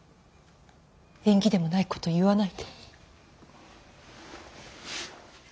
縁起でもないこと言わないで。